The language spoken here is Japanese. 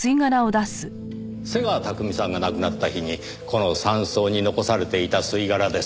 瀬川巧さんが亡くなった日にこの山荘に残されていた吸い殻です。